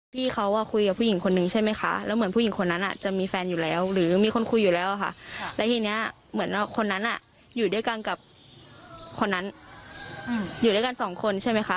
พี่เขาคุยกับผู้หญิงคนนึงใช่ไหมคะแล้วเหมือนผู้หญิงคนนั้นจะมีแฟนอยู่แล้วหรือมีคนคุยอยู่แล้วค่ะแล้วทีนี้เหมือนคนนั้นอยู่ด้วยกันกับคนนั้นอยู่ด้วยกันสองคนใช่ไหมคะ